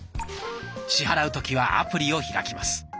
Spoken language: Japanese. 支払う時はアプリを開きます。